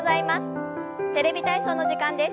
「テレビ体操」の時間です。